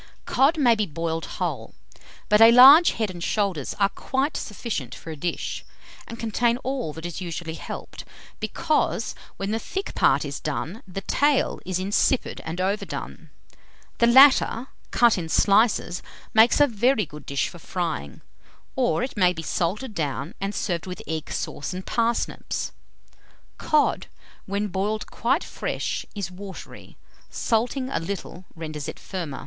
Cod may be boiled whole; but a large head and shoulders are quite sufficient for a dish, and contain all that is usually helped, because, when the thick part is done, the tail is insipid and overdone. The latter, cut in slices, makes a very good dish for frying; or it may be salted down and served with egg sauce and parsnips. Cod, when boiled quite fresh, is watery; salting a little, renders it firmer.